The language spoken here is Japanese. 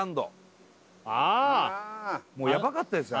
ああもうヤバかったですよ